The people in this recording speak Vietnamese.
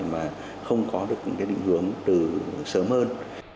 mà không có được những cái định hướng từ sớm hơn